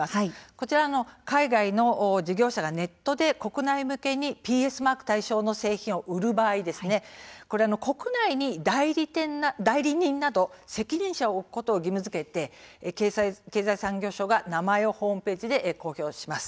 こちら海外の事業者がネットで国内向けにＰＳマーク対象の製品を売る場合国内に代理人など責任者を置くことを義務づけて経済産業省が名前をホームページで公表します。